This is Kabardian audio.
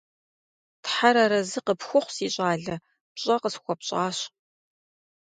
Тхьэр арэзы къыпхухъу, си щӀалэ, пщӀэ къысхуэпщӀащ.